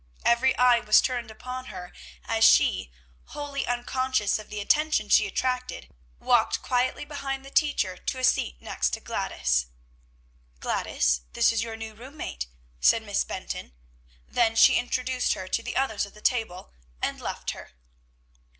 Every eye was turned upon her as she, wholly unconscious of the attention she attracted, walked quietly behind the teacher to a seat next to Gladys. "Gladys, this is your new room mate," said Miss Benton. Then she introduced her to the others at the table, and left her.